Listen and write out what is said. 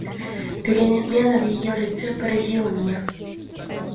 Перемена в ее лице поразила меня.